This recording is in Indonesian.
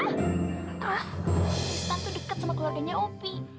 kita tuh deket sama keluarganya opi